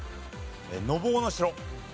『のぼうの城』。